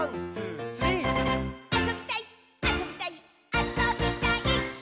あそびたいっ！」